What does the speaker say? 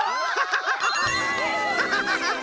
ハハハハッ！